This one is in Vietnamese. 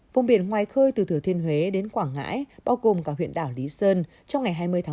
vùng biển ngoài khơi từ thừa thiên huế đến quảng ngãi bao gồm cả huyện đảo lý sơn